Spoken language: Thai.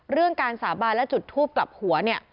เรื่องการสาบานและจุดทูปกับหัว